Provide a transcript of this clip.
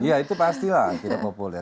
ya itu pastilah tidak populer